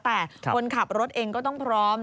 แต่คนขับรถเองก็ต้องพร้อม